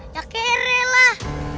ya kere lah